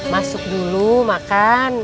masuk dulu makan